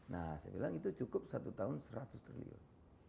nah saya bilang itu cukup satu tahun seratus triliun